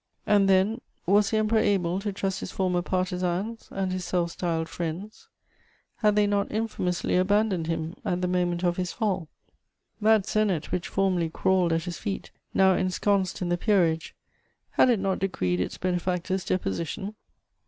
] And then, was the Emperor able to trust his former partisans and his self styled friends? Had they not infamously abandoned him at the moment of his fall? That Senate which formerly crawled at his feet, now ensconced in the peerage, had it not decreed its benefactor's deposition?